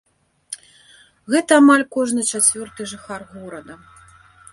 Гэта амаль кожны чацвёрты жыхар горада.